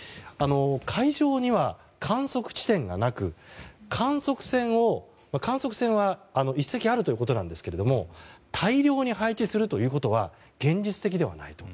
海上には観測地点がなく観測船は１隻あるということなんですが大量に配置するということは現実的ではないと。